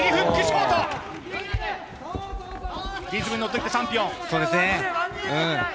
リズムに乗ってきたチャンピオン。